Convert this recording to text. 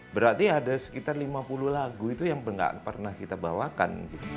berarti ada sekitar lima puluh lagu itu yang nggak pernah kita bawakan gitu